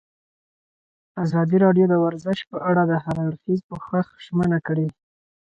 ازادي راډیو د ورزش په اړه د هر اړخیز پوښښ ژمنه کړې.